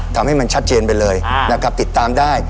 ทำให้มันชัดเจนไปเลยนะครับติดตามได้